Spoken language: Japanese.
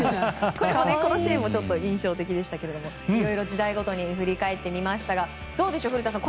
このシーンも印象的でしたがいろいろ時代ごとに振り返ってみましたがどうでしょう、古田さん